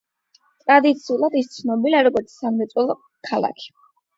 ტრადიციულად, ის ცნობილია, როგორც სამრეწველო ქალაქი.